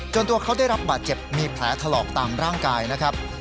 ตัวเขาได้รับบาดเจ็บมีแผลถลอกตามร่างกายนะครับ